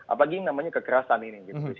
apalagi namanya kekerasan ini